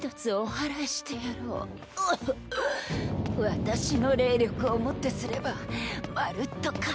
私の霊力をもってすればまるっと解決じゃ。